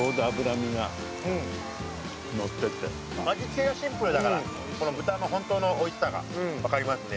味付けがシンプルだから豚の本当のおいしさが分かりますね。